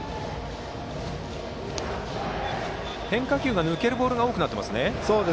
変化球が抜けるボールが多くなっていますね。